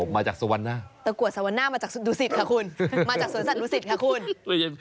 มาจากสวรรณาตะกรวดสวรรณามาจากสวนสัตว์ดุสิตค่ะคุณ